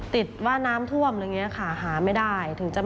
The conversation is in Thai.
ติดว่าน้ำท่วมหาไม่ได้